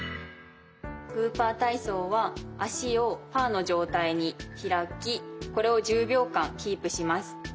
グーパー体操は足をパーの状態に開きこれを１０秒間キープします。